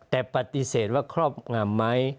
แต่ปฏิเสธว่าครอบงำไหม